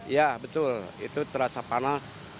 ya betul itu terasa panas